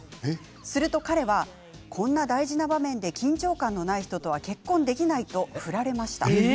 すると彼はこんな大事な場面で緊張感のない人とは結婚できないと振られました。